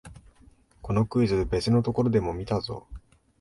このクイズ、別のところでも見たぞ